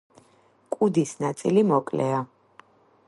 კუდის ნაწილი მოკლეა.